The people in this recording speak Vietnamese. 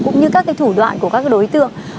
cũng như các thủ đoạn của các đối tượng